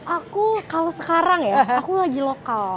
aku kalau sekarang ya aku lagi lokal